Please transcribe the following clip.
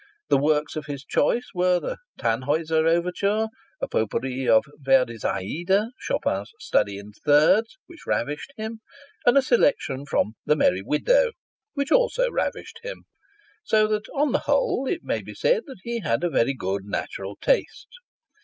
The works of his choice were the "Tannhäuser" overture, a potpourri of Verdi's "Aida," Chopin's Study in Thirds (which ravished him), and a selection from "The Merry Widow" (which also ravished him). So that on the whole it may be said that he had a very good natural taste.